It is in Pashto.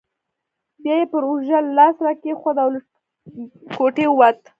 بیا یې پر اوږه لاس راکښېښود او له کوټې ووت.